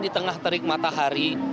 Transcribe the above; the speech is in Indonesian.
di tengah terik matahari